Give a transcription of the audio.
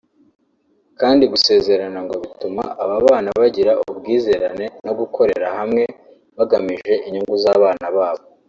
kandi gusezerana ngo bituma ababana bagira ubwizerane no gukorera hamwe bagamije inyungu z’ abana babo